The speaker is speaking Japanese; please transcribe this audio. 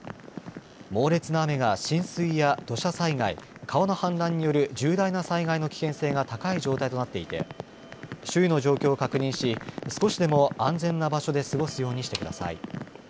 猛烈な雨が浸水や土砂災害川の氾濫による重大な災害の危険性が高い状態となっていて周囲の状況を確認し少しでも安全な場所で過ごすようにしてください。